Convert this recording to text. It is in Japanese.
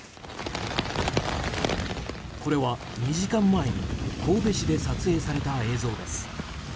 これは２時間前神戸市で撮影された映像です。